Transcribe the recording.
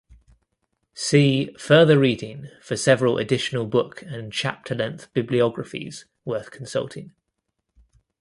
See Further Reading for several additional book and chapter length bibliographies worth consulting.